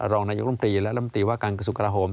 รองนายกรมภรีและรมตีวะการสุขกระโหม